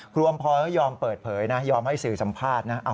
อำพรก็ยอมเปิดเผยนะยอมให้สื่อสัมภาษณ์นะ